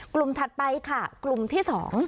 กลุ่มถัดไปค่ะกลุ่มที่๒